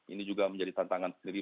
ini juga menjadi tantangan sendiri